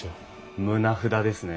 棟札ですね？